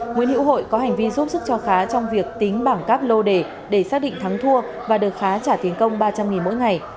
nguyễn hữu hội có hành vi giúp sức cho khá trong việc tính bảng các lô đề để xác định thắng thua và được khá trả tiền công ba trăm linh mỗi ngày